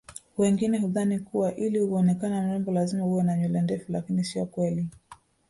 wengine hudhani kuwa ili kuonekana mrembo lazima uwe na nywele ndefu lakini sio kweli